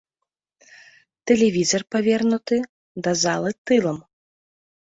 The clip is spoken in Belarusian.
Тэлевізар павернуты да залы тылам.